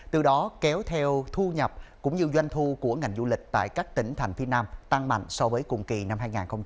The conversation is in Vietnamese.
từ đó kéo theo thu nhập cũng như doanh thu của ngành du lịch tại các tỉnh thành phía nam tăng mạnh so với cùng kỳ năm hai nghìn hai mươi ba